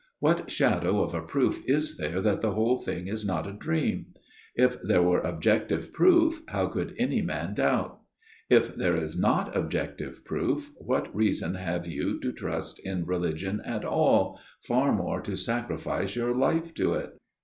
What shadow of a proof is there that the whole thing is not a dream ? If there were objective proof, how could any man doubt ? If there is not objective proof, what reason have you to trust in religion at all far more to sacrifice your life to it